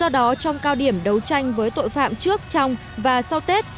do đó trong cao điểm đấu tranh với tội phạm trước trong và sau tết